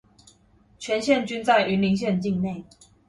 全線均在雲林縣境內